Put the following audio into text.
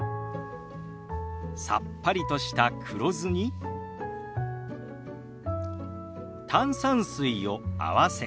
さっぱりとした黒酢に炭酸水を合わせ